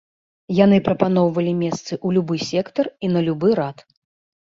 Яны прапаноўвалі месцы ў любы сектар і на любы рад.